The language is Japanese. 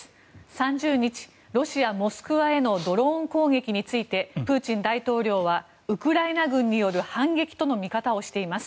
３０日、ロシア・モスクワへのドローン攻撃についてプーチン大統領はウクライナ軍による反撃との見方をしています。